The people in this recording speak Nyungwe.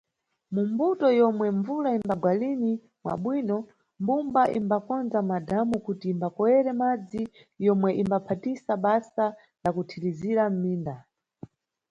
Mu mbuto zomwe mbvula imbagwa lini mwabwino, mbumba imbakonza madhamu kuti imbakoyere madzi yomwe imbaphatisa basa la kuthirizira mʼminda.